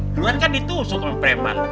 duluan kan ditusuk oleh preman